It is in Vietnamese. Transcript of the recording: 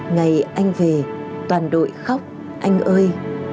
ngày anh về toàn đội khóc anh ơi